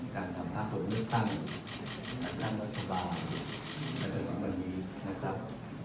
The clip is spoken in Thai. การทำพักผลเลือกตั้งจัดตั้งรัฐบาลมาจนถึงวันนี้นะครับ